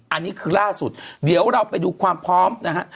อันนี้คือล่าสุดเดี๋ยวเราไปดูความพร้อมนะฮะ